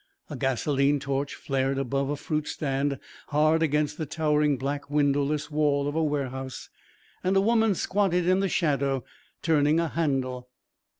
A gasolene torch flared above a fruit stand hard against the towering black windowless wall of a warehouse and a woman squatted in the shadow turning a handle.